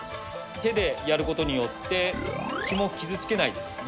手でやることによって、肝を傷つけないんですね。